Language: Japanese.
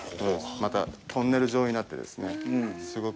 またトンネル状になって、すごく。